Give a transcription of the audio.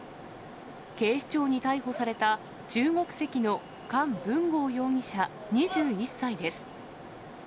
警視庁に逮捕された中国籍の韓文豪容疑者２１歳です。